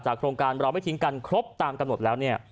จากโครงการเราไม่ทิ้งกันครบตามกำหนดแล้ว